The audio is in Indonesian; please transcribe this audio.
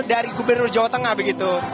dari gubernur jawa tengah begitu